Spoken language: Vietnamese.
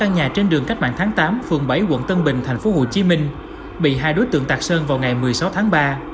ba nhà trên đường cách mạng tháng tám phường bảy quận tân bình tp hcm bị hai đối tượng tạc sơn vào ngày một mươi sáu tháng ba